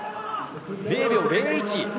０秒０１